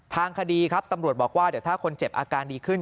ทางคดีครับตำรวจบอกว่าเดี๋ยวถ้าคนเจ็บอาการดีขึ้น